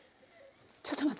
ちょっと待って！